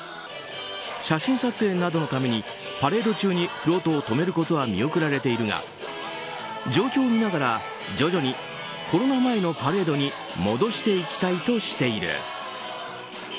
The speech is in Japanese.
写真撮影などのためにパレード中にフロートを止めることは見送られているが状況を見ながら徐々にコロナ前のパレードに戻していきたいという。